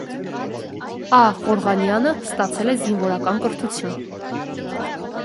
Ա.Ղորղանյանը ստացել զինվորական կրթություն։